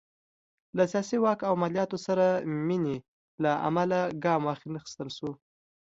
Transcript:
له سیاسي واک او مالیاتو سره مینې له امله ګام وانخیستل شو.